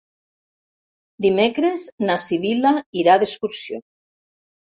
Dimecres na Sibil·la irà d'excursió.